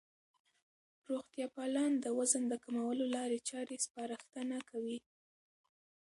روغتیا پالان د وزن د کمولو لارې چارې سپارښتنه کوي.